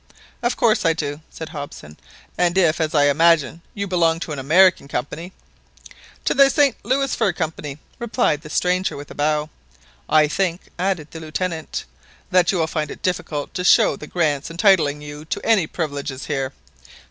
"Of course I do," said Hobson; "and if, as I imagine, you belong to an American company— "To the St Louis Fur Company," replied the stranger with a bow. "I think," added the Lieutenant, "that you will find it difficult to show the grants entitling you to any privileges here."